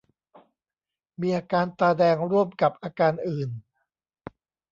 มีอาการตาแดงร่วมกับอาการอื่น